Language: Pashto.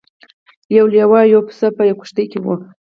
یو لیوه او یو پسه په یوه کښتۍ کې وو.